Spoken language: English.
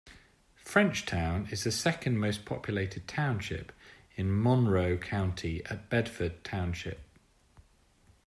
Frenchtown is the second most-populated township in Monroe County after Bedford Township.